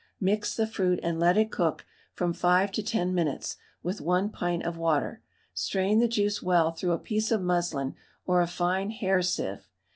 Mix the fruit, and let it cook from 5 to 10 minutes with 1 pint of water; strain the juice well through a piece of muslin or a fine hair sieve.